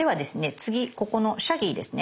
次ここのシャギーですね。